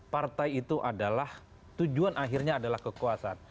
partai itu adalah tujuan akhirnya adalah kekuasaan